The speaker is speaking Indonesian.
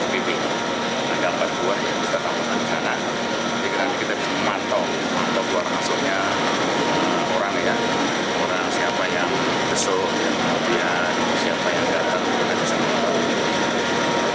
kami menjaga ruang tahanan di sana jadi nanti kita bisa memantau mantau keluar masuknya orang ya orang siapa yang kesul siapa yang datang kita bisa mengetahui